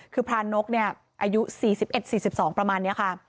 คือพรานกอายุ๔๑๔๒ประมาณนี้ค่ะ